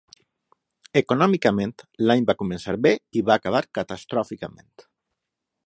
Econòmicament, l'any va començar bé i va acabar catastròficament.